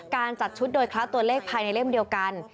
การจัดชุดโดยคละตัวเลขภายในเล่มเดียวกัน